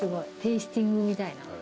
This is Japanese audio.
テイスティングみたいな。